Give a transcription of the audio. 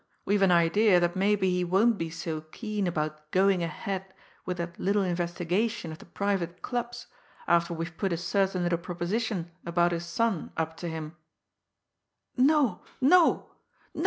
We've an idea that maybe he won't be so keen about going ahead with that little investigation of the private clubs after we've put a certain little proposition about his son up to him." "No, no!